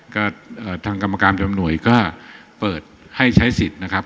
ก็ทางกรรมการประจำหน่วยก็เปิดให้ใช้สิทธิ์นะครับ